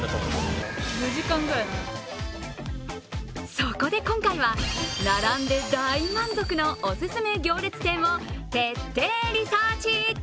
そこで今回は、並んで大満足のお勧め行列店を徹底リサーチ。